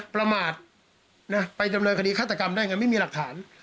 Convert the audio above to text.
ประมาทไปดำเนินคดีฆาตกรรมได้ไงไม่มีหลักฐาน